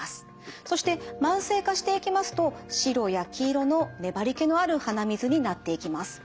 そして慢性化していきますと白や黄色の粘りけのある鼻水になっていきます。